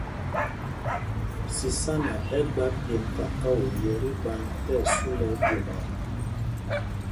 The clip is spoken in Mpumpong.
Sisána ɛ́ gba pyemb kakao yɛ́ tí ɓand tí ɛsu lɛ ɛkɛ jwomaa.